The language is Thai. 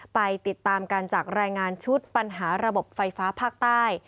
ไปติดตามกันจากรายงานชุดปัญหาระบบไฟฟ้าภาคใต้